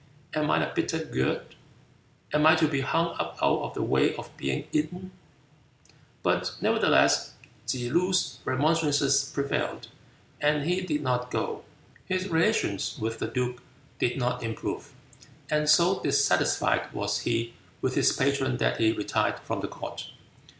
Am I a bitter gourd? Am I to be hung up out of the way of being eaten?" But nevertheless Tsze loo's remonstrances prevailed, and he did not go. His relations with the duke did not improve, and so dissatisfied was he with his patron that he retired from the court.